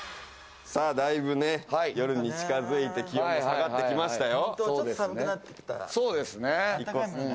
だいぶ夜に近づいて、気温も下がってきましたよ。